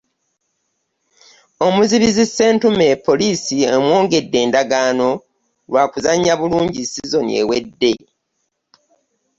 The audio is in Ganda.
Omuzibizi Ssentume, poliisi emwongedde endagaano lwa kuzannya bulungi sizoni ewedde